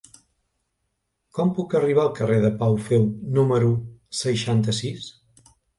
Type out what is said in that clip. Com puc arribar al carrer de Pau Feu número seixanta-sis?